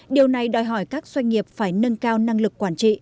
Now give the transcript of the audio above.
điều này đòi hỏi các doanh nghiệp phải nâng cao năng lực quản trị